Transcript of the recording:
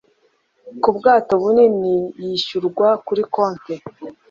ku bwato bunini yishyurwa kuri konte